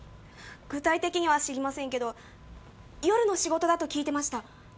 具体的には知りませんけど夜の仕事だと聞いてました。